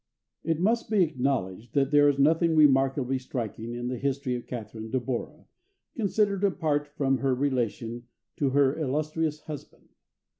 It must be acknowledged that there is nothing remarkably striking in the history of Catharine de Bora, considered apart from her relation to her illustrious husband.